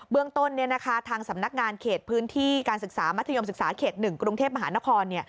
เรื่องต้นทางสำนักงานเขตพื้นที่การศึกษามัธยมศึกษาเขต๑กรุงเทพมหานคร